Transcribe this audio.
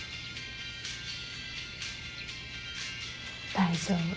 大丈夫。